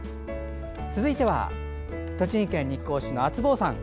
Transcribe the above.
続いては、栃木県日光市のあつぼーさん。